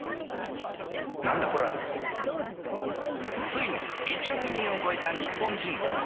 ついに１億人を超えた日本人口。